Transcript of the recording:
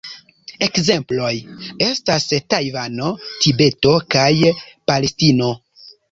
Ekzemploj estas Tajvano, Tibeto kaj Palestino.